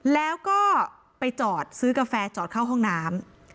แล้วก็ไปจอดซื้อกาแฟจอดเข้าห้องน้ำ